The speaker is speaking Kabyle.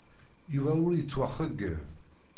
Yuba ur yettwaxeyyab.